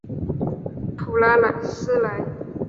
普拉斯莱。